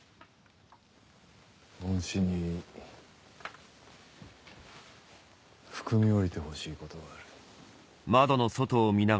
おんしに含みおいてほしいことがある。